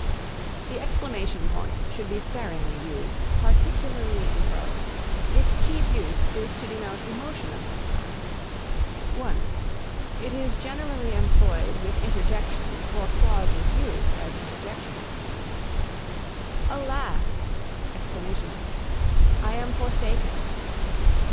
The Exclamation point should be sparingly used, particularly in prose. Its chief use is to denote emotion of some kind. (1) It is generally employed with interjections or clauses used as interjections: "Alas! I am forsaken."